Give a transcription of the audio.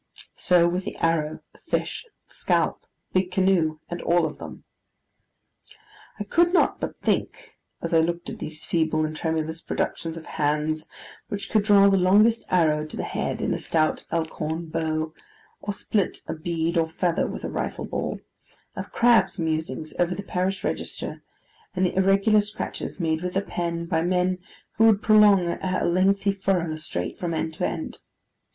So with the Arrow, the Fish, the Scalp, the Big Canoe, and all of them. I could not but think—as I looked at these feeble and tremulous productions of hands which could draw the longest arrow to the head in a stout elk horn bow, or split a bead or feather with a rifle ball—of Crabbe's musings over the Parish Register, and the irregular scratches made with a pen, by men who would plough a lengthy furrow straight from end to end.